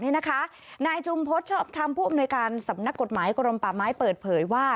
นายจุมพฤษชอบธรรมผู้อำนวยการสำนักกฎหมายกรมป่าไม้เปิดเผยว่า